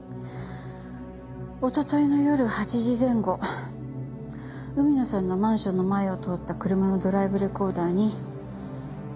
一昨日の夜８時前後海野さんのマンションの前を通った車のドライブレコーダーに。